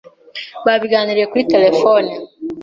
Babiganiriye kuri terefone.